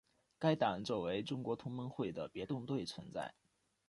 该党作为中国同盟会的别动队存在。